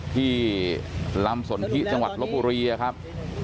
ที่ลำสนทิจังหวัดลบบุรีครับ